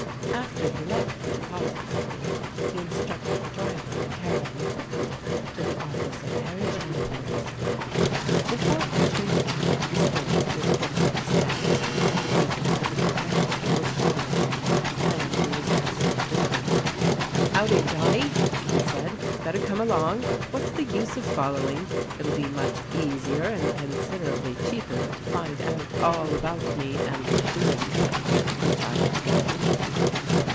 After he left the Deposit Building he instructed the driver to carry him quickly to the office of Harry Chandler, Esq. Before entering the carriage he stood with his foot on the step and waited for the detective who was shadowing him, and who was passing the building. "Howdy, Johnnie," he said. "Better come along. What's the use of following? It will be much easier, and considerably cheaper, to find out all about me and my doings if we travel together."